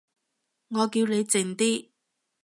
我叫你靜啲